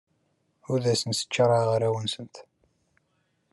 Ur asent-ttcaṛaɛeɣ arraw-nsent.